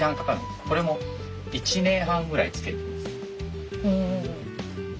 これも１年半ぐらい漬けてます。